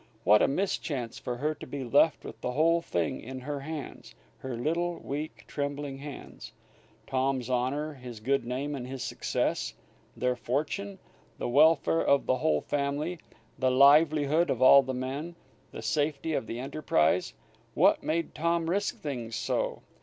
What a mischance for her to be left with the whole thing in her hands, her little, weak, trembling hands Tom's honor, his good name and his success, their fortune, the welfare of the whole family, the livelihood of all the men, the safety of the enterprise! What made Tom risk things so!